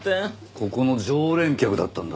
ここの常連客だったんだ。